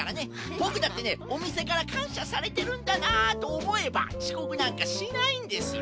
ボクだってねおみせからかんしゃされてるんだなとおもえばちこくなんかしないんですよ。